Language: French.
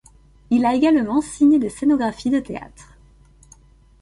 Il a également signé des scénographies de théâtre.